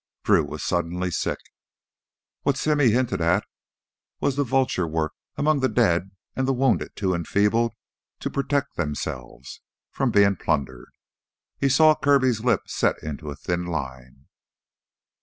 Drew was suddenly sick. What Simmy hinted at was the vulture work among the dead and the wounded too enfeebled to protect themselves from being plundered. He saw Kirby's lips set into a thin line.